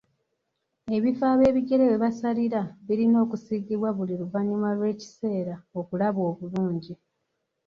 Ebifo ab'ebigere webasalira birina okusiigibwa buli luvannyuma lw'ekiseera okulabwa obulungi.